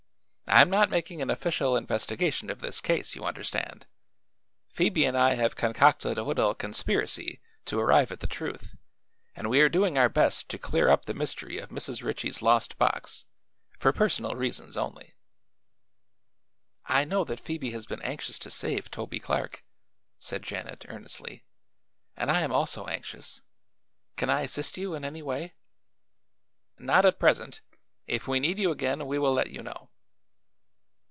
I am not making an official investigation of this case, you understand. Phoebe and I have concocted a little conspiracy to arrive at the truth and we are doing our best to clear up the mystery of Mrs. Ritchie's lost box for personal reasons only." "I know that Phoebe has been anxious to save Toby Clark," said Janet earnestly; "and I am also anxious. Can I assist you in any way?" "Not at present. If we need you again we will let you know."